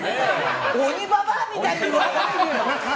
鬼ババアみたいに言うなよ！